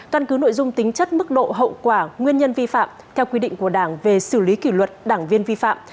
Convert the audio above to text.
căn cứ nội dung tính chất mức độ hậu quả nguyên nhân vi phạm theo quy định của đảng về xử lý kỷ luật đảng viên vi phạm